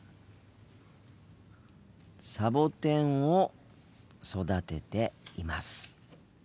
サボテンを育てています。